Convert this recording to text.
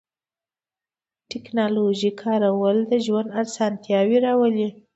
د تکنالوژۍ کارول د ژوند آسانتیاوې راولي.